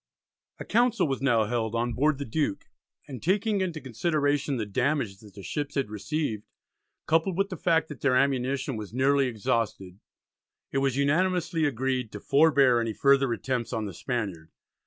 A Council was now held on board the Duke, and taking into consideration the damage that the ships had received, coupled with the fact that their ammunition was nearly exhausted, it was unanimously agreed "to forbear any further attempts" on the Spaniard.